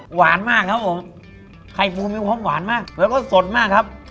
หวานมากครับผมไข่ปูมีความหวานมากแล้วก็สดมากครับ